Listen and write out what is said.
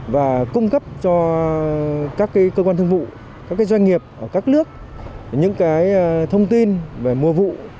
và cung cấp cho các cơ quan thương vụ các doanh nghiệp ở các nước những thông tin về mùa vụ